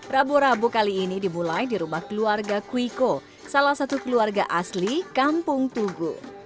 rabo rabu kali ini dimulai di rumah keluarga kuiko salah satu keluarga asli kampung tugu